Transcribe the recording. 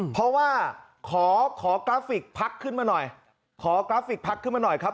เพราะว่าขอขอกราฟิกพักขึ้นมาหน่อยขอกราฟิกพักขึ้นมาหน่อยครับ